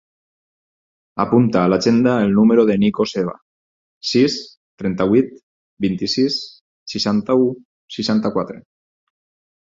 Apunta a l'agenda el número del Nico Seva: sis, trenta-vuit, vint-i-sis, seixanta-u, seixanta-quatre.